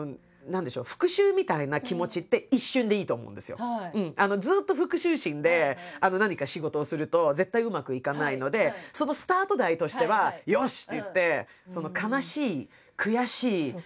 ただねずっと復讐心で何か仕事をすると絶対うまくいかないのでそのスタート台としては「よし！」って言って。